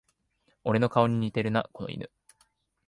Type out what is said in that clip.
俺の顔に似てるな、この犬